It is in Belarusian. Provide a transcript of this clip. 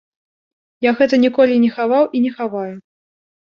Я гэта ніколі не хаваў і не хаваю.